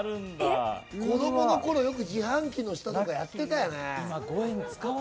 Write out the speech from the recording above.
子供の頃、よく自販機の下とかやってたよね。